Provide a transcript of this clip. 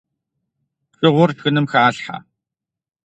Шыгъур шхыным халъхьэ.